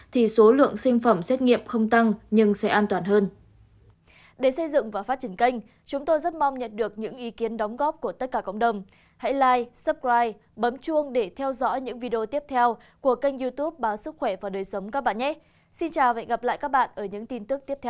thì số lượng sinh phẩm xét nghiệm không tăng nhưng sẽ an toàn hơn